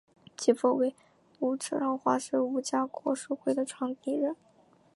其父为伍绍华是伍家国术会的创立人。